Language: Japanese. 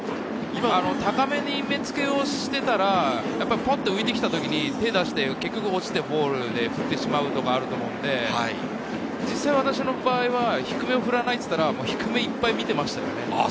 高めに目付けをしていたらバットが浮いてきた時に結局落ちてボールを振ってしまうと思うので、私の場合は低めを振らないと言ったら、低めいっぱい見ていましたよね。